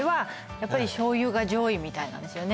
やっぱり醤油が上位みたいなんですよね